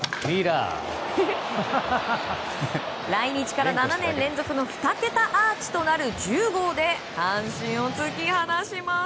来日から７年連続の２桁アーチとなる１０号で阪神を突き放します。